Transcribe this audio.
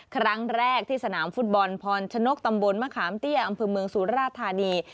ครั้งแรกที่สนามฟุตบอลพรชนกตำบลมะขามเตี้ยอำเภอเมืองสุราธานี